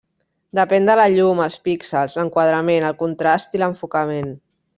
Depèn de la llum, els píxels, l’enquadrament, el contrast i l’enfocament.